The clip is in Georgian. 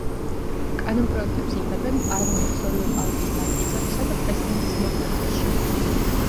კანონპროექტებს იღებენ პარლამენტის ორივე პალატის დამტკიცებისა და პრეზიდენტის მოწონების შემდეგ.